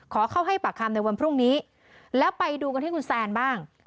ขอเข้าให้ปากคำในวันพรุ่งนี้แล้วไปดูกันที่คุณแซนบ้าง